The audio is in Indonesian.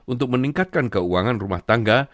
untuk meningkatkan keuangan rumah tangga